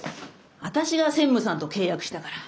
私が専務さんと契約したから。